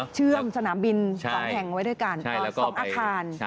เชื่อมสนามบิน๒แห่งไว้ด้วยกัน๒อาคาร